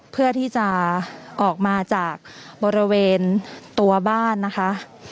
เพื่อที่จะออกมาจากบริเวณตัวบ้านนะคะ